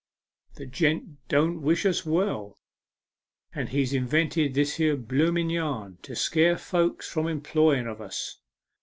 The gent don't wish us 60 A MEMORABLE SWIM. well, and he's invented this here blooming yarn to scare folks from employing of us.